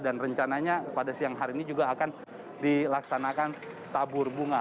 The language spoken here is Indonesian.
dan rencananya pada siang hari ini juga akan dilaksanakan tabur bunga